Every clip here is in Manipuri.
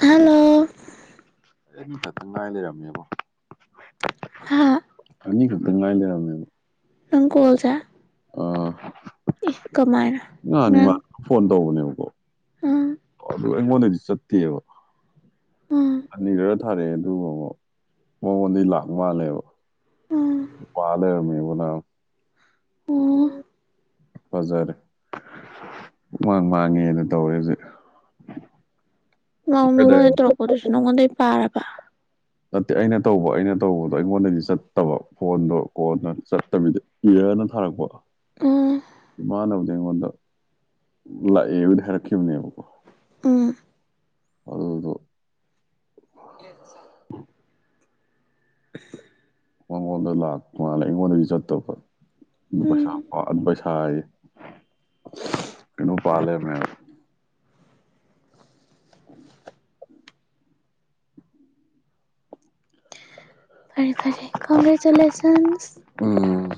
ꯍꯜꯂꯣ ꯑꯅꯤ ꯈꯛꯇꯪ ꯉꯥꯏ ꯂꯩꯔꯝꯃꯦꯕꯣ ꯍꯥ ꯑꯅꯤ ꯈꯛ ꯗꯥ ꯉꯥꯏ ꯂꯝꯔꯝꯃ‌ꯦꯕꯥ ꯅꯪ ꯀꯣꯜꯁꯦ ꯑꯥ ꯏ ꯀꯃꯥꯏꯅ ꯅꯪ [unintelligible] ꯐꯣꯟ ꯇꯧꯕꯅꯦꯕꯀꯣ ꯎꯝ ꯑꯗꯨ ꯑꯩꯉꯣꯟꯗꯩꯗꯤ ꯆꯠꯇꯦꯕ ꯎꯝ ꯑꯅꯤꯔꯛ ꯊꯔꯛꯑꯦ ꯑꯗꯨꯒ ꯑꯃꯨꯛ ꯃꯉꯣꯟꯗꯩ ꯂꯥꯛꯄ ꯃꯥꯜꯂꯦꯕ ꯎꯝ ꯑꯗꯨ ꯄꯥ ꯂꯩꯔꯝꯃꯦꯕꯣ ꯅꯥꯕ ꯑꯣ ꯐꯖꯔꯦ ꯄꯨꯡꯃꯥꯡ ꯃꯥꯡꯉꯦꯅꯥ ꯇꯧꯔꯦ ꯍꯧꯖꯤꯛ ꯅꯪ ꯀꯗꯥꯏ ꯃꯤꯉꯣꯟꯗꯩ ꯇꯧꯔꯛꯄꯗꯨꯁꯨ ꯅꯪꯉꯣꯟꯗꯩ ꯄꯥꯔꯕ ꯅꯠꯇꯦ ꯑꯩꯅ ꯇꯧꯕ ꯑꯩꯅ ꯇꯧꯕꯗꯣ ꯑꯩꯉꯣꯟꯗꯩꯗꯤ ꯆꯠꯇꯕ ꯐꯣꯟꯗꯣ ꯀꯣꯟꯅ ꯆꯠꯇꯕꯤꯗ ꯏꯔ꯭‌ꯥꯔꯅ ꯊꯥꯔꯛꯄ ꯎꯝ ꯃꯥꯟꯅꯕꯨꯗꯤ ꯑꯩꯉꯣꯟꯗ ꯂꯥꯛꯑꯦꯕꯨꯗꯤ ꯍꯥꯏꯔꯛꯈꯤꯕꯅꯦꯕꯀꯣ ꯎꯝ ꯑꯗꯨꯒꯤꯗꯣ [inaudible] ꯃꯉꯣꯟꯗ ꯂꯥꯛꯄ ꯃꯥꯜꯂꯦ ꯑꯩꯉꯣꯟꯗꯗꯤ ꯆꯠꯇꯕ ꯄꯩꯁꯥ ꯎꯝ [unintelligible] ꯄꯩꯁꯥꯑꯥꯌꯦ ꯀꯩꯅꯣ ꯄꯥꯟ ꯂꯩꯔꯝꯃꯦꯕ [inaudible] ꯐꯔꯦ ꯐꯔꯦ ꯀꯪꯒ꯭ꯔꯦꯖꯨꯂꯦꯁꯟꯁ ꯎꯝ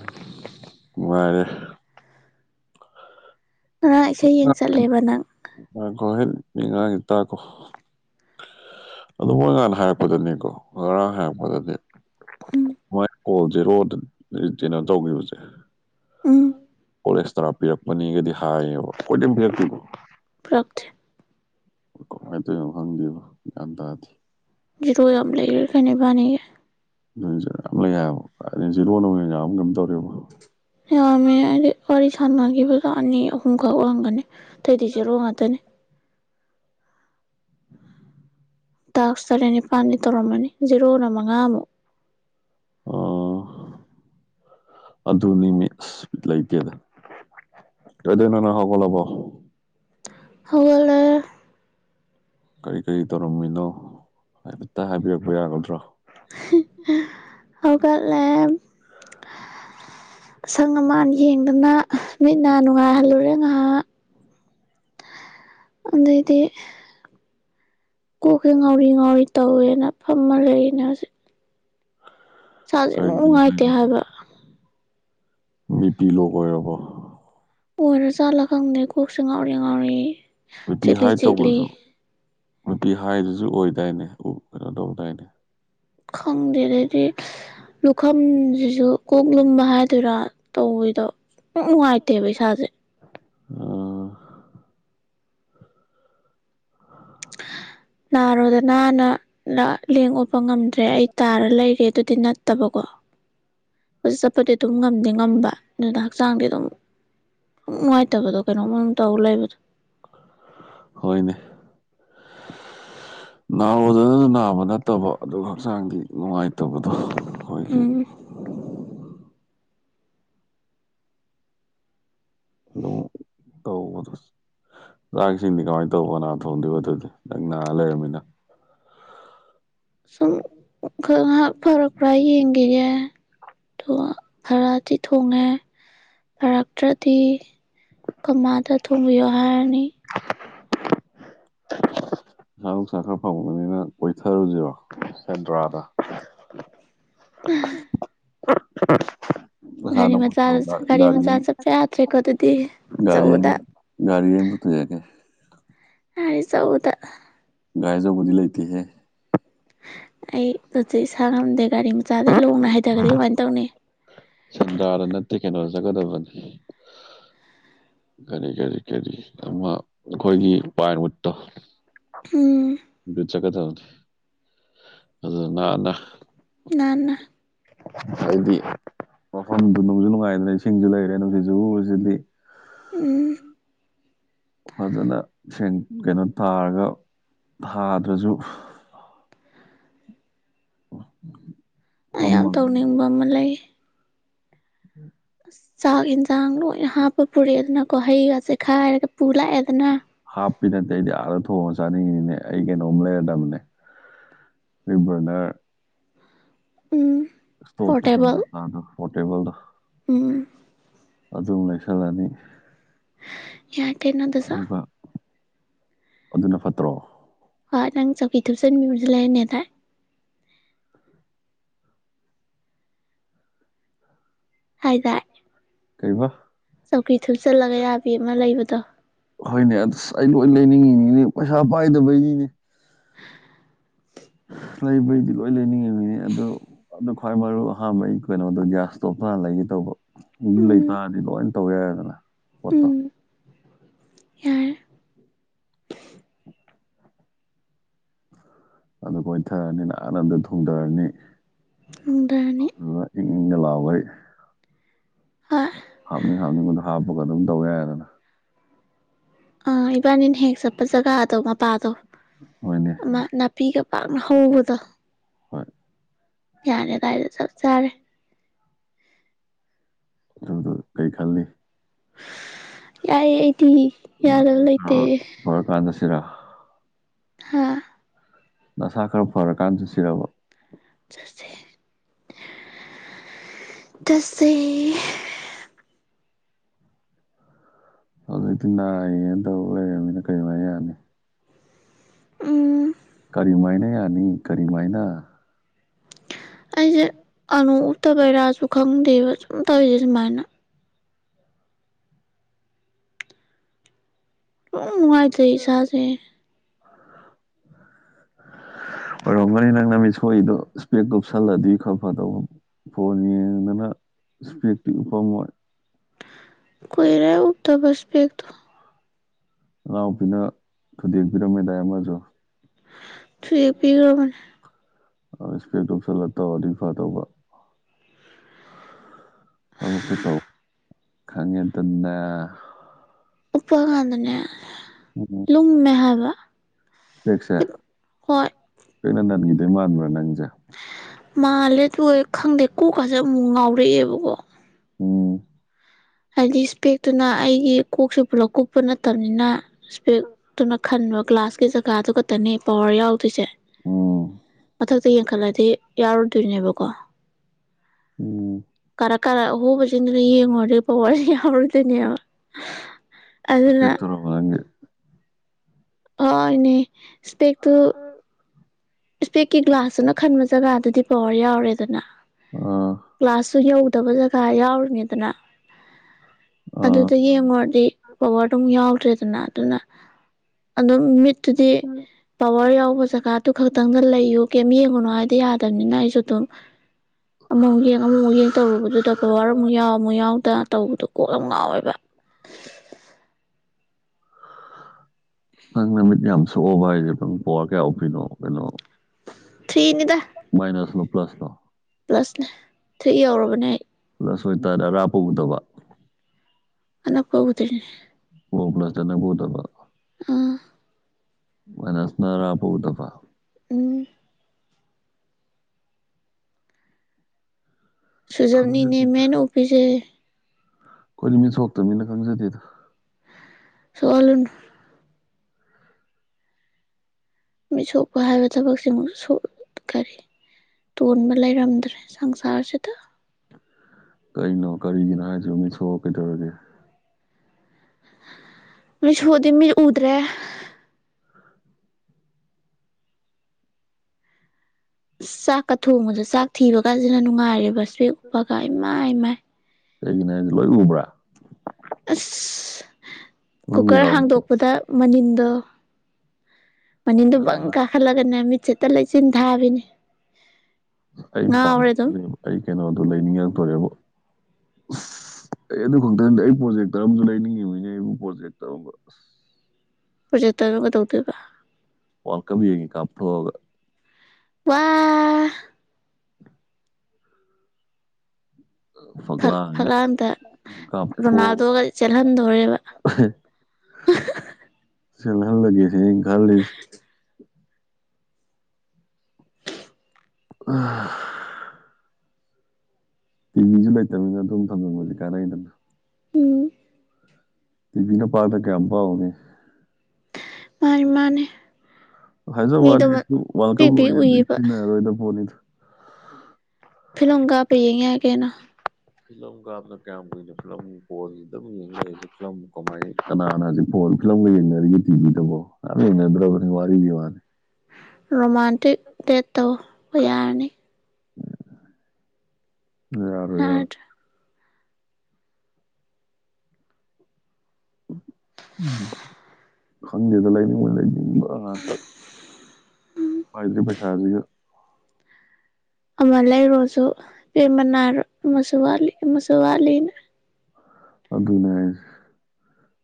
[unintelligible] ꯉꯔꯥꯡ ꯏꯁꯩ ꯌꯦꯡ ꯆꯠꯂꯦꯕ ꯅꯪ ꯉꯥꯏꯈꯣꯍꯩꯠ ꯃꯤꯅ ꯉꯥꯡꯉꯤꯁꯦ ꯇꯥꯈꯣ ꯑꯗꯨ ꯃꯣꯏ ꯉꯍꯥꯟ ꯍꯥꯏꯔꯛꯄꯗꯅꯦꯀꯣ ꯉꯔꯥꯡ ꯍꯥꯏꯔꯛꯄꯗꯗꯤ ꯎꯝ ꯃꯥꯏ ꯀꯣꯜ ꯖꯦꯔꯣꯗ ꯀꯩꯅꯣ ꯇꯧꯈꯤꯕꯁꯦ ꯎꯝ ꯀꯣꯜ ꯑꯦꯛꯁꯇ꯭ꯔꯥ ꯄꯤꯔꯛꯄꯅꯤꯒꯗꯤ ꯍꯥꯏꯌꯦꯕ ꯈꯣꯏꯗꯤ ꯑꯝ ꯄꯤꯔꯛꯇꯦꯀꯣ ꯄꯤꯔꯛꯇꯦ ꯀꯃꯥꯏ ꯇꯧꯔꯤꯅꯣ ꯈꯪꯗꯦꯕ ꯒ꯭ꯌꯥꯟ ꯇꯥꯗꯦ ꯖꯦꯔꯣ ꯌꯥꯝ ꯂꯩꯔꯦ ꯀꯩꯅꯦ ꯏꯕꯥꯟꯅꯤꯒꯤ [unintelligible] ꯖꯦꯔꯣꯅꯕꯨ ꯍꯦꯟꯅ ꯌꯥꯝꯒꯨꯝ ꯇꯧꯔꯦꯕꯣ ꯌꯥꯝꯃꯦ ꯍꯥꯏꯗꯤ ꯋꯥꯔꯤ ꯁꯥꯟꯅꯈꯤꯕꯗꯣ ꯑꯅꯤ ꯑꯍꯨꯝꯈꯛ ꯑꯣꯏꯔꯝꯒꯅꯤ ꯑꯇꯩꯗꯤ ꯖꯦꯔꯣ ꯉꯥꯛꯇꯅꯤ ꯇꯥꯛꯁ ꯇꯔꯦꯠ ꯅꯤꯄꯥꯜꯗꯤ ꯇꯧꯔꯝꯃꯅꯤ ꯖꯦꯔꯣꯅ ꯃꯉꯥꯃꯨꯛ ꯑꯣ ꯑꯗꯨꯅꯤꯅꯦ ꯑꯁ ꯕꯤꯠ ꯂꯩꯇꯦꯗ ꯀꯩꯗꯧꯔꯤꯅꯣ ꯅꯪ ꯍꯧꯒꯠꯂꯕꯣ ꯍꯧꯒꯠꯂꯦ ꯀꯔꯤ ꯀꯔꯤ ꯇꯧꯔꯝꯃꯤꯅꯣ ꯍꯥꯏꯐꯦꯠꯇ ꯍꯥꯏꯕꯤꯔꯛꯄ ꯌꯥꯒꯗ꯭ꯔꯣ ꯍꯧꯒꯠꯂꯦ ꯑꯁꯪ ꯑꯃꯥꯟ ꯌꯦꯡꯗꯅ ꯃꯤꯠ ꯅ ꯅꯨꯡꯉꯥꯏꯍꯜꯂꯨꯔꯦ ꯉꯥꯏꯍꯥꯛ ꯑꯗꯨꯗꯩꯗꯤ ꯀꯣꯛꯁꯦ ꯉꯥꯎꯔꯤ ꯉꯥꯎꯔꯤ ꯇꯧꯋꯦꯅ ꯐꯝꯃ ꯂꯩꯔꯤꯅꯦ ꯍꯧꯖꯤꯛ ꯏꯁꯥꯁꯦ ꯏꯅꯨꯡ ꯀꯔꯤꯒꯤꯅꯣ ꯅꯨꯡꯉꯥꯏꯇꯦ ꯍꯥꯏꯔꯤꯕ ꯍꯥꯏꯕ ꯕꯤ ꯄꯤ ꯂꯣ ꯑꯣꯏꯔꯕꯣ ꯑꯣꯏꯔꯖꯥꯠꯂ ꯈꯪꯗꯦ ꯀꯣꯛꯁꯦ ꯉꯥꯎꯔꯤ ꯉꯥꯎꯔꯤ ꯕꯤ ꯄꯤ ꯆꯤꯛꯂꯤ ꯍꯥꯏ ꯆꯤꯛꯂꯤ ꯇꯧꯕꯁꯨ ꯕꯤ ꯄꯤ ꯍꯥꯏꯗꯁꯨ ꯑꯣꯏꯗꯥꯏꯅꯦ ꯀꯣꯛ ꯀꯩꯅꯣ ꯇꯧꯗꯥꯏꯅꯦ ꯈꯪꯗꯦ ꯑꯗꯨꯗꯤ ꯂꯨꯈꯝꯖꯤꯖꯨ ꯀꯣꯛ ꯂꯨꯝꯕ ꯍꯥꯏꯗꯨꯔꯥ ꯇꯧꯕꯤꯗꯣ ꯏꯅꯨꯡ ꯅꯨꯡꯉꯥꯏꯇꯦꯕ ꯏꯁꯥꯁꯦ ꯑꯣ ꯅꯔꯣꯗꯅꯥꯅ ꯂꯥ ꯂꯦꯡ ꯑꯣꯠꯄ ꯉꯝꯗ꯭ꯔꯦ ꯑꯩ ꯇꯥꯔ ꯂꯩꯔꯦ ꯑꯗꯨꯗꯤ ꯅꯠꯇꯕꯀꯣ ꯀꯣꯏꯆꯠ ꯆꯠꯄꯗꯤ ꯑꯗꯨꯝ ꯉꯝꯗꯤ ꯉꯝꯕ ꯑꯗꯨꯗ ꯍꯛꯆꯥꯡꯗꯤ ꯑꯗꯨꯝ ꯏꯅꯨꯡ ꯅꯨꯡꯉꯥꯏꯇꯕꯗꯣ ꯀꯩꯅꯣꯝꯃꯥ ꯇꯧꯔ ꯂꯩꯕꯗꯣ ꯍꯣꯏꯅꯦ [inaudible] ꯅꯥꯔꯣꯗꯅꯗꯤ ꯅꯥꯕ ꯅꯠꯇꯕ ꯑꯗꯨꯒ ꯍꯛꯆꯥꯡꯗꯤ ꯅꯨꯡꯉꯥꯏꯇꯕꯗꯣ ꯎꯝ ꯑꯗꯣ ꯇꯧꯕꯗꯣ ꯆꯥꯛ ꯏꯁꯤꯡꯗꯤ ꯀꯃꯥꯏꯅ ꯇꯧꯕ ꯀꯅꯥꯅ ꯊꯣꯡꯗꯣꯏꯕ ꯑꯗꯨꯗꯤ ꯅꯪ ꯅꯥ ꯂꯩꯔꯕꯅꯤꯅ ꯁꯨꯝ ꯈꯔ ꯉꯥꯏꯍꯥꯛ ꯐꯔꯛꯄ꯭ꯔꯥ ꯌꯦꯡꯒꯤꯒꯦ ꯗꯨꯒ ꯐꯔꯛꯑꯗꯤ ꯊꯣꯡꯉꯦ ꯐꯔꯛꯇ꯭ꯔꯗꯤ ꯈꯪꯃꯥꯗ ꯊꯣꯡꯕꯤꯌꯣ ꯍꯥꯏꯔꯅꯤ ꯄꯩꯁꯥ ꯅꯨꯡꯁꯥ ꯈꯔ ꯐꯪꯕꯅꯤꯅ ꯀꯣꯏꯊꯥꯔꯨꯖꯤꯔꯣ ꯁꯦꯟꯗ꯭ꯔꯥꯗ [unintelligible] ꯄꯩꯁꯥ ꯒꯥꯔꯤ ꯃꯆꯥꯗ ꯅꯪ ꯒꯥꯔꯤ ꯃꯆꯥ ꯆꯠꯄꯥ ꯌꯥꯗ꯭ꯔꯦꯀꯣ ꯑꯗꯨꯗꯤ ꯒꯥꯔꯤ ꯑꯆꯧꯕꯗꯥ ꯒꯥꯔꯤ [unintelligible] ꯒꯥꯔꯤ ꯑꯆꯧꯕꯗ ꯒꯥꯔꯤ ꯑꯆꯧꯕꯗꯤ ꯂꯩꯇꯦꯍꯦ ꯑꯩ ꯗꯨꯗꯤ ꯏꯁꯥ ꯉꯝꯗꯦ ꯒꯥꯔꯤ ꯃꯆꯥꯗꯩ ꯂꯣꯡꯅ ꯍꯥꯏꯗꯥꯒ꯭ꯔꯗꯤ ꯀꯃꯥꯏꯟ ꯇꯧꯅꯤ ꯁꯦꯟꯗ꯭ꯔꯥꯗ ꯅꯠꯇꯦ ꯀꯩꯅꯣꯗ ꯆꯠꯀꯗꯕꯅꯤ ꯀꯔꯤ ꯀꯔꯤ ꯀꯔꯤ ꯑꯃ ꯑꯩꯈꯣꯏꯒꯤ ꯄꯥꯏꯟꯋꯨꯠꯇꯣ ꯎꯝ ꯑꯗꯨ ꯆꯠꯀꯗꯕꯅꯦ ꯑꯗꯨꯗ ꯅꯥꯟꯅꯥ ꯅꯥꯟꯅ ꯑꯗꯩꯗꯤ ꯃꯐꯝꯗꯨ ꯅꯨꯡꯁꯨ ꯅꯨꯡꯉꯥꯏꯔꯦꯗꯅ ꯏꯁꯤꯡꯁꯨ ꯂꯩꯔꯦ ꯅꯨꯡꯁꯤꯠꯁꯨ ꯎꯔꯨꯔꯨ ꯁꯤꯠꯂꯤ ꯎꯝ ꯐꯖꯅ ꯁꯦꯡ ꯀꯩꯅꯣ ꯊꯤꯔꯒ ꯊꯥꯗ꯭ꯔꯖꯨ ꯑꯩ ꯌꯥꯝ ꯐꯝꯃꯒ ꯇꯧꯅꯤꯡꯕ ꯑꯃ ꯂꯩꯌꯦ [unintelligible] ꯆꯥꯛ ꯑꯦꯟꯖꯥꯡ ꯂꯣꯏꯅ ꯍꯥꯞꯄ ꯄꯨꯔꯛꯑꯦꯗꯅꯀꯣ ꯍꯩꯒꯁꯦ ꯈꯥꯏꯔꯒ ꯄꯨꯂꯥꯛꯑꯦꯗꯅ ꯍꯥꯞꯄꯤ ꯅꯠꯇꯦ ꯑꯩꯗꯤ ꯑꯥꯗ ꯊꯣꯡꯉꯥ ꯆꯥꯅꯤꯡꯉꯤꯅꯤꯅꯦ ꯑꯩ ꯀꯩꯅꯣꯝ ꯂꯩꯔꯗꯝꯅꯦ [unintelligible] ꯕꯔꯅꯔ ꯎꯝ ꯁ꯭ꯇꯣꯞ ꯇꯣ ꯈꯪꯕ꯭ꯔ ꯄꯣꯔꯇꯦꯕꯜ ꯃꯆꯥꯗꯣ ꯄꯣꯔꯇꯦꯕꯜꯗꯣ ꯎꯝ ꯑꯗꯨꯝ ꯂꯩꯁꯜꯂꯅꯤ ꯌꯥꯏ ꯀꯩꯅꯣ ꯑꯗꯨꯁꯨ ꯑꯗꯨꯒ ꯑꯗꯨꯅ ꯐꯠꯇ꯭ꯔꯣ ꯍꯣꯏ ꯅꯪ ꯆꯧꯀ꯭ꯔꯤ ꯊꯨꯞꯆꯟꯕꯤ ꯑꯃꯖꯨ ꯂꯩꯔꯅꯦꯗꯥꯥꯏ ꯍꯥꯏꯗꯥꯏ ꯀꯩꯕ ꯆꯧꯀ꯭ꯔꯤ ꯊꯨꯞꯆꯜꯂꯒ ꯌꯥꯕꯤ ꯑꯃ ꯂꯩꯕꯗꯣ ꯍꯣꯏꯅꯦ ꯑꯗꯨꯁꯨ ꯑꯩ ꯂꯣꯏ ꯂꯩꯅꯤꯡꯉꯤꯅꯤꯅꯦ ꯄꯩꯁꯥ ꯄꯥꯏꯗꯕꯩꯅꯤꯅꯦ ꯂꯩꯕꯩꯗꯤ ꯂꯣꯏ ꯂꯩꯅꯤꯡꯉꯤꯝꯅꯤꯅꯦ ꯑꯗꯣ ꯑꯗꯨ ꯈ꯭ꯋꯥꯏ ꯃꯔꯨ ꯑꯍꯥꯟꯕꯩ ꯑꯩ ꯀꯩꯅꯣꯗꯣ ꯒ꯭ꯌꯥꯁ ꯏ꯫ꯁ꯭ꯇꯣꯞꯇꯣ ꯍꯥꯟꯅ ꯂꯩꯒꯦ ꯇꯧꯕ ꯎꯝ ꯂꯩꯇꯥꯔꯗꯤ ꯂꯣꯏꯅ ꯇꯧ ꯌꯥꯔꯦꯗꯅ ꯄꯣꯠꯇꯣ ꯎꯝ ꯌꯥꯔꯦ ꯑꯗꯨ ꯀꯣꯏꯊꯥꯔꯅꯤ ꯅꯥꯟꯅ ꯑꯗꯨꯗ ꯊꯣꯡꯗꯥꯔꯅꯤ ꯅꯨꯡꯗꯥꯡꯅꯤ ꯑꯗꯨꯗꯨꯒ ꯏꯪ ꯏꯪꯒ ꯂꯥꯎꯒꯩ ꯍꯣꯏ ꯍꯥꯞꯅꯤꯡ ꯍꯥꯞꯅꯤꯡꯕꯗꯣ ꯍꯥꯞ ꯄꯥꯒ ꯑꯗꯨꯝ ꯇꯧ ꯌꯥꯔꯦꯗꯅ ꯑꯥ ꯏꯕꯥꯅꯤꯅ ꯍꯦꯛ ꯆꯠꯄ ꯖꯒꯥꯗꯣ ꯃꯄꯥꯗꯣ ꯍꯣꯏꯅꯦ ꯑꯃ ꯅꯥꯞ ꯄꯤꯒ ꯄꯥꯛꯅ ꯍꯧꯕꯗꯣ ꯍꯣꯏ ꯌꯥꯔꯦ ꯑꯗꯥꯏꯗ ꯆꯞ ꯆꯥꯔꯦ ꯑꯗꯨꯗꯣ ꯀꯩ ꯈꯜꯂꯤ ꯌꯥꯏꯌꯦ ꯑꯩꯗꯤ ꯌꯥꯗꯕ ꯂꯩꯇꯦ [unintelligible] ꯆꯠꯁꯤꯔꯣ ꯍꯥꯥ ꯅꯁꯥ ꯈꯔ ꯐꯔꯀꯥꯟ ꯆꯠꯁꯤꯔꯕ ꯆꯠꯁꯦ ꯆꯠꯁꯦ ꯍꯧꯖꯤꯛꯇꯤ ꯅꯥꯌꯦꯅ ꯇꯧ ꯂꯩꯔꯕꯅꯤꯅ ꯀꯩꯃꯥꯏ ꯌꯥꯅꯤ ꯎꯝ ꯀꯔꯤꯃꯥꯏꯅ ꯌꯥꯅꯤ ꯀꯔꯤꯃꯥꯏꯅ ꯑꯩꯖꯦ ꯑꯅꯣꯞ ꯎꯞꯇꯕꯩꯔꯥꯖꯨ ꯈꯪꯗꯦꯕ ꯁꯨꯝ ꯇꯧꯔꯤꯖꯦ ꯁꯨꯃꯥꯏꯅ ꯁꯨꯡꯅꯨꯡ ꯅꯨꯡꯉꯥꯏꯇꯦ ꯏꯁꯥꯖꯦ [unintelligible] ꯑꯣꯏꯔꯝꯒꯅꯤ ꯅꯪ ꯅꯃꯤꯠ ꯁꯣꯛꯏꯗꯣ ꯏꯁꯄꯦꯛꯇꯣ ꯎꯞꯁꯜꯂꯗꯤ ꯈꯔ ꯐꯗꯧꯕ ꯐꯣꯟ ꯌꯦꯡꯗꯅ ꯏꯁꯄꯦꯛꯇꯤ ꯎꯞꯄꯝꯃꯣꯏ ꯀꯨꯏꯔꯦ ꯎꯞꯇꯕ ꯏꯁꯄꯦꯛꯇꯣ ꯅꯅꯥꯎꯄꯤꯅ ꯊꯨꯗꯦꯛꯄꯤꯔꯝꯃꯦꯗꯥꯏ ꯑꯃꯖꯨ ꯊꯨꯗꯦꯛꯄꯤꯔꯕꯅꯦ ꯑꯁ ꯏꯁꯄꯦꯛꯇꯣ ꯎꯞꯁꯜꯂꯥ ꯇꯧꯔꯗꯤ ꯐꯗꯧꯕ ꯊꯕꯛꯇꯨ ꯇꯧ ꯈꯪꯉꯦꯗꯅ ꯎꯞꯄ ꯀꯥꯟꯗꯅꯦ ꯂꯨꯝꯃꯦ ꯍꯥꯏꯕ ꯄꯦꯛꯁꯦ ꯍꯣꯏ ꯏꯁꯄꯦꯛꯅꯥ ꯅꯟꯒꯤꯗꯧ ꯃꯥꯟꯕ꯭ꯔꯥ ꯅꯪꯖꯦ ꯃꯥꯜꯂꯦ ꯑꯗꯨꯒꯤꯔꯥ ꯈꯪꯗꯦ ꯀꯣꯛ ꯀꯖꯦ ꯑꯃꯨꯛ ꯉꯥꯎꯔꯛꯑꯦꯕꯀꯣ ꯎꯝ ꯍꯥꯏꯗꯤ ꯏꯁꯄꯦꯛꯇꯨꯅ ꯑꯩꯒꯤ ꯀꯣꯛꯁꯨ ꯄꯨꯂꯞ ꯀꯨꯞꯄ ꯅꯠꯇꯕꯅꯤꯅ ꯏꯁꯄꯦꯛꯇꯨꯅ ꯈꯟꯕ ꯒ꯭ꯂꯥꯁꯀꯤ ꯖꯒꯥꯗꯨ ꯈꯛꯇꯅꯦ ꯄꯋꯥꯔ ꯌꯥꯎ ꯗꯨꯏꯖꯦ ꯎꯝ ꯃꯊꯛꯇ ꯌꯦꯡꯈꯠꯂꯗꯤ ꯌꯥꯎꯔꯣꯏꯗꯣꯏꯅꯦꯕꯀꯣ ꯎꯝ ꯀꯥꯔꯛ ꯀꯥꯔꯛ ꯑꯍꯣꯕ ꯖꯤꯡꯗꯨꯅ ꯌꯦꯡꯉꯨꯔꯗꯤ ꯄꯋꯥꯔꯖꯤ ꯌꯥꯎꯔꯣꯏꯗꯣꯏꯅꯦꯕ ꯑꯗꯨꯅ ꯏꯁꯄꯦꯛꯇꯨꯔꯕꯥ ꯅꯪꯒꯤ ꯍꯣꯏꯅꯦ ꯏꯁꯄꯦꯛꯇꯨ [unintelligible] ꯏꯁꯄꯦꯛꯀꯤ ꯒ꯭ꯂꯥꯁꯇꯨꯅ ꯈꯟꯕ ꯖꯒꯥꯗꯨꯗꯤ ꯄꯋꯥꯔ ꯌꯥꯎꯔꯦꯗꯅ ꯑꯥ ꯒ꯭ꯂꯥꯁꯇꯨ ꯌꯧꯗꯕ ꯖꯒꯥ ꯌꯥꯎꯔꯤꯅꯤꯗꯅ ꯑꯥ ꯑꯗꯨꯗ ꯌꯦꯡꯉꯨꯔꯗꯤ ꯄꯋꯥꯔ ꯑꯗꯨꯝ ꯌꯥꯎꯗ꯭ꯔꯦꯗꯅ ꯑꯗꯨꯅ ꯑꯗꯨꯝ ꯃꯤꯠ ꯑꯗꯨꯗꯤ ꯄꯋꯥꯔ ꯌꯥꯎꯕ ꯖꯒꯥꯗꯨ ꯈꯛ ꯂꯩꯌꯨ ꯀꯩꯝ ꯌꯦꯡꯉꯨꯅꯣ ꯍꯥꯏꯗꯤ ꯌꯥꯗꯕꯅꯤꯅ ꯑꯩꯁꯨ ꯑꯗꯨꯝ ꯑꯃ ꯑꯃꯨꯛ ꯌꯦꯡ ꯑꯃ ꯑꯃꯨꯛ ꯌꯦꯡ ꯇꯧꯔꯨꯕꯗꯨꯗꯀꯣ ꯄꯋꯥꯔ ꯑꯃꯨꯛ ꯌꯥꯎ ꯑꯃꯨꯛ ꯌꯥꯎꯗ ꯇꯧꯕꯗꯨ ꯀꯣꯛ ꯌꯥꯝ ꯉꯥꯎꯋꯦꯕ ꯅꯪ ꯅꯃꯤꯠ ꯌꯥꯝ ꯁꯣꯛꯑꯕꯣ ꯍꯥꯏꯖꯦ ꯅꯪ ꯄꯋꯥꯔ ꯀꯌꯥ ꯎꯞꯄꯤꯅꯣ ꯀꯩꯅꯣ ꯊ꯭ꯔꯤꯅꯤꯗ ꯃꯥꯏꯅꯁ ꯂꯣ ꯄ꯭ꯂꯁ ꯂꯣ ꯄ꯭ꯂꯁꯅꯦ ꯊ꯭ꯔꯤ ꯌꯧꯔꯕꯅꯦ ꯑꯩ ꯄ꯭ꯂꯁ ꯑꯣꯏ ꯇꯥꯔꯗꯤ ꯑꯔꯥꯞꯄ ꯎꯗꯕ ꯑꯅꯛꯄꯥ ꯎꯗꯦ ꯑꯣ ꯄ꯭ꯂꯁ ꯑꯅꯛꯄꯥ ꯎꯗꯕ ꯎꯝ ꯃꯥꯏꯅꯁꯅ ꯑꯔꯥꯞꯄ ꯎꯗꯕ ꯎꯝ ꯁꯨꯖꯝꯅꯤꯅꯦꯃꯦ ꯈꯪꯖꯗꯦꯗ ꯑꯩꯅꯥ ꯎꯞꯄꯤꯖꯦ ꯑꯩꯈꯣꯏꯗꯤ ꯃꯤꯠ ꯁꯣꯛꯇꯝꯅꯤꯅꯥ ꯈꯪꯖꯗꯦꯗꯥ ꯁꯣꯂꯨꯟ ꯃꯤꯠ ꯁꯣꯛꯄ ꯍꯥꯏꯕ ꯊꯕꯛꯁꯤꯃꯨꯛ ꯁ‌ꯣꯛ ꯀꯔꯤ ꯇꯣꯟꯕ ꯂꯩꯔꯝꯗ꯭ꯔꯦ ꯁꯪꯁꯥꯔꯁꯤꯗ ꯀꯩꯅꯣ ꯀꯔꯤꯒꯤꯅꯣ ꯍꯥꯏꯖꯤ ꯃꯤꯠ ꯁꯣꯛ ꯀꯩꯗꯧꯔꯒꯦ ꯃꯤꯠ ꯁ‌ꯣꯑꯗꯤ ꯃꯤ ꯎꯗ꯭ꯔ‌ꯦ [unintelligible] ꯆꯥꯛꯀ ꯊꯣꯡꯕꯗ ꯆꯥꯛ ꯊꯤꯕ ꯀꯥꯟꯁꯤꯅ ꯅꯨꯡꯉꯥꯏꯔꯤꯕ ꯁ꯭ꯄ‌ꯦꯛ ꯎꯞꯄꯒ ꯏꯃꯥꯏ ꯏ ꯃꯥꯏ ꯑꯩꯒꯤꯅ‌ꯦ ꯍꯥꯏꯗꯤ ꯂꯣꯏ ꯎꯕ꯭ꯔꯥ ꯑꯁ ꯃꯅꯨꯡꯗ ꯀꯨꯀꯔ ꯌꯥꯎꯕꯗꯣ ꯍꯥꯡꯗꯣꯛꯄꯗ ꯃꯅꯤꯟꯗ‌ꯣ ꯃꯅꯤꯟꯗ‌ꯣ ꯕꯪ ꯀꯥ ꯈꯜꯂꯒꯅꯦ ꯃꯤꯠꯁꯦ ꯍ‌ꯦꯠꯇ ꯂꯩꯆꯤꯟ ꯊꯥꯕꯤꯅꯤ ꯑꯩ ꯄꯥꯝꯕ ꯉꯥꯎꯔꯦ ꯑꯗꯨꯝ [unintelligible] ꯑꯩ ꯀꯩꯅꯣꯗ‌ꯣ ꯂꯩꯅꯤꯡꯉꯛꯇꯣꯔꯦꯕ‌ꯣ ꯎꯁ ꯑꯩ ꯑꯗꯨ ꯈꯛꯇ ꯅꯗ‌ꯦ ꯑꯩ ꯄ꯭ꯔꯣꯖꯦꯛꯇꯔ ꯑꯝꯁꯨ ꯂꯩꯅꯤꯡꯉꯤꯕꯅꯤꯅꯦ ꯑꯩꯕꯨ ꯄ꯭ꯔꯣꯖꯦꯛ ꯇꯧꯔꯝꯕ ꯑꯁ ꯄ꯭ꯔꯣꯖꯦꯛꯇꯔꯗ‌ꯣ ꯀꯗꯧꯗꯣꯏꯕ ꯋꯥꯜ ꯀꯝ ꯌꯦꯡꯒ‌ꯦ ꯀꯥꯝꯊ‌ꯣꯛꯑꯒ ꯋꯥ ꯐꯛ ꯐꯛꯂꯥꯡꯉꯤ ꯐꯛꯂꯥꯡꯗ ꯔꯣꯅꯥꯜꯗꯣꯒ ꯆꯦꯜꯍꯟꯗꯣꯔꯦꯕ ꯆ‌ꯦꯜꯍꯟꯂꯒꯦ ꯁꯤꯅꯤ ꯑꯩꯅ ꯈꯜꯂꯤꯁ ꯑꯥ ꯇꯤꯚꯤꯁꯨ ꯂꯩꯇꯕꯅꯤꯅ ꯑꯗꯨꯝ ꯊꯝꯖꯟꯕꯗꯤ ꯀꯥꯟꯅꯩꯗꯅ ꯎꯝ ꯇꯤꯚꯤꯅ ꯄꯥꯛꯗ ꯀꯌꯥꯝ ꯄꯥ ꯎꯅꯤ ꯃꯥꯏ ꯃꯥꯅꯤ ꯍꯥꯏꯖ ꯃꯤꯗꯣ ꯋꯥꯅꯤ ꯑꯩꯁꯨ ꯋꯥꯜꯀꯞ ꯄꯤꯛ ꯄꯤꯛ ꯂꯣꯏꯒꯤꯕꯗꯩ ꯎꯏꯌꯦꯕ ꯁꯤꯖꯤꯟꯅꯔꯔꯣꯏꯗ ꯄ‌ꯣꯠꯅꯤꯗ ꯐꯤꯂꯝ ꯀꯥꯞꯄ ꯌ‌ꯦꯡ ꯌꯥꯏ ꯀꯩꯅ‌ꯣ ꯐꯤꯂꯝ ꯀꯥꯞꯄꯅ ꯀꯌꯥꯝ ꯀꯨꯏꯅ ꯐꯤꯂꯝ ꯕ‌ꯣꯜ ꯑꯗꯨꯝ ꯌꯦꯡ ꯂꯩꯔꯗꯤ ꯐꯤꯜꯝ ꯀ‌ꯣꯃꯥꯏ ꯀꯅꯥꯅ ꯍꯧꯖꯤꯛꯄꯨ ꯐꯤꯂꯝꯒ ꯌꯦꯡꯅꯔꯤ ꯇꯤꯚꯤꯗꯕꯨ ꯀꯅꯥꯝ ꯌꯦꯡꯅꯗ꯭ꯔꯕꯅꯤ ꯋꯥ ꯔꯤꯒꯤ ꯋꯥꯅ‌ꯦ ꯔꯣꯃꯥꯟꯇꯤꯛ ꯗꯦꯠ ꯇꯧꯕ ꯌꯥꯔꯅꯤ [unintelligible] ꯌꯥꯔꯗ꯭ꯔꯥ ꯎꯝ ꯈꯪꯗꯦꯗ ꯂꯩꯅꯤꯡꯕ ꯂꯩ ꯅꯤꯡ ꯉꯥꯇ ꯄꯥꯏꯗꯔꯤ ꯄꯩꯁꯥ ꯁꯤꯒ ꯑꯃ ꯂꯩꯔꯣꯁꯨ ꯄ‌ꯦꯟꯕ ꯅꯥꯏꯔꯣꯏ ꯑꯃꯁꯨ ꯋꯥꯠꯂꯤ ꯑꯃꯁꯨ ꯋꯥꯠꯂꯤꯅ ꯑꯗꯨꯅꯦ ꯍꯥꯏꯁ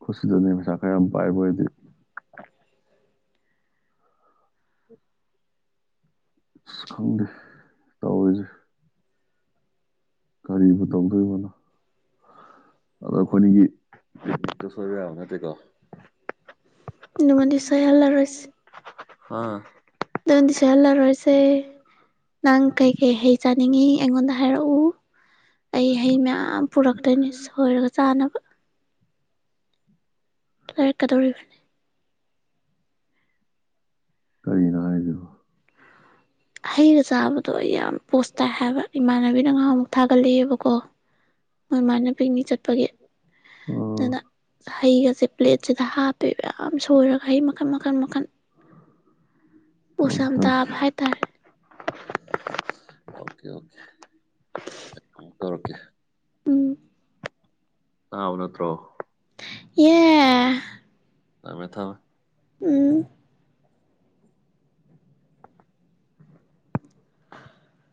ꯈꯨꯠꯁꯤꯗ ꯃꯤ ꯄꯩꯁꯥ ꯈꯔ ꯌꯥꯝ ꯄꯥꯏꯕ ꯑꯣꯏꯗꯤ ꯑꯁ ꯈꯪꯗꯦ ꯇꯧꯋꯤꯖ‌ꯦ ꯀꯔꯤꯕ ꯇꯧꯗꯣꯏꯕꯅ‌ꯣ ꯑꯗꯣ ꯑꯩꯈꯣꯏꯅꯤꯒꯤ [unintelligible] ꯁꯣꯏꯕ ꯌꯥꯕ ꯅꯠꯇꯦꯀꯣ [unintelligible] ꯗꯤ ꯁ‌ꯣꯏꯍꯜꯂꯥꯔꯣꯏꯁ ꯍꯥ [unintelligible] ꯗꯤ ꯁ‌ꯣꯏꯍꯜꯂꯔꯣꯏꯁꯦ ꯅꯪ ꯀꯩꯀꯩ ꯍꯩ ꯆꯥꯅꯤꯡꯉꯤ ꯑꯩꯉꯣꯟꯗ ꯍꯥꯏꯔꯛꯎ ꯑꯩ ꯍꯩ ꯃꯌꯥꯝ ꯄꯨꯔꯛꯇꯣꯏꯅ‌ꯦ ꯁꯣꯏꯔꯒ ꯆꯥꯅꯕ ꯂꯩꯔꯛꯀꯗꯧꯔꯤꯕꯅ‌ꯦ ꯀꯔꯤꯅꯣ ꯍꯥꯏꯖꯤꯕꯨ ꯍꯩꯒ ꯆꯥꯕꯗꯣ ꯑꯩ ꯌꯥꯝ ꯄꯣꯁ ꯇꯥꯏ ꯍꯥꯏꯕ ꯏꯃꯥꯟꯅꯕꯤꯅ ꯉꯥꯍꯥꯃꯨꯛ ꯊꯥꯒꯠꯂꯑꯦꯕꯀꯣ ꯃ‌ꯣꯏ ꯑꯃꯥꯏꯅ ꯄꯤꯛꯅꯤꯛ ꯆꯠꯄꯒꯤ ꯑꯥ ꯑꯗꯨꯅ ꯍꯩꯒꯁꯦ ꯄ꯭ꯂꯦꯠꯁꯤꯗ ꯍꯥꯞꯄꯦꯕ ꯌꯥꯝ ꯁꯣꯏꯔꯒ ꯍꯩ ꯃꯈꯜ ꯃꯈꯜ ꯃꯈꯜ ꯃꯈꯟ ꯄꯣꯁ ꯌꯥꯝ ꯇꯥꯕ ꯍꯥꯏꯇꯥꯔꯦ ꯑꯣꯀꯦ ꯑꯣꯀꯦ ꯂꯧꯔꯀꯦ ꯎꯝ ꯇꯥꯕꯥ ꯅꯠꯇ꯭ꯔꯣ ꯌꯦ ꯊꯃꯦ ꯊꯃꯦ ꯎꯝ